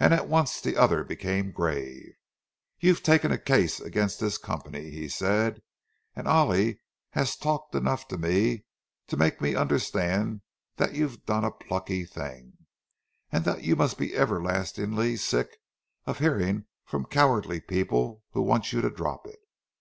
And at once the other became grave. "You've taken a case against this company," he said. "And Ollie has talked enough to me to make me understand that you've done a plucky thing, and that you must be everlastingly sick of hearing from cowardly people who want you to drop it.